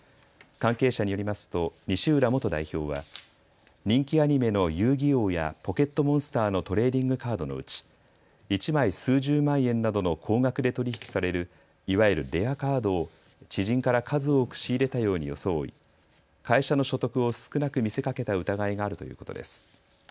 関係者によりますと西浦元代表は人気アニメの遊戯王やポケットモンスターのトレーディングカードのうち１枚数十万円などの高額で取り引きされるいわゆるレアカードを知人から数多く仕入れたように装い会社の所得を少なく見せかけた疑いがあるということです。